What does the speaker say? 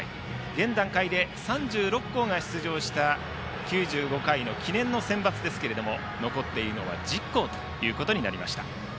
現段階で３６校が出場した９５回の記念のセンバツですが残っているのは１０校となりました。